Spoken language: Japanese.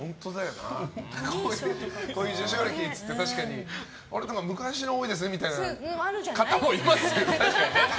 こういう受賞歴って確かに昔の多いですねみたいな方もいますよね、確かに。